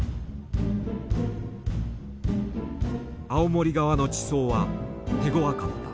青森側の地層は手ごわかった。